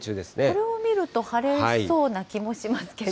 これを見ると晴れそうな気もしますけど。